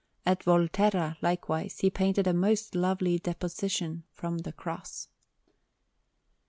At Volterra, likewise, he painted a most lovely Deposition from the Cross.